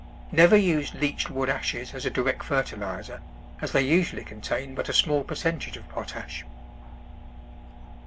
Never use leached wood ashes as a direct fertiliser, as they usually contain but a small per centage of potash.